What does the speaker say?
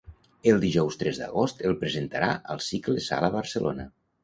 El dijous tres d'agost el presentarà al cicle sala Barcelona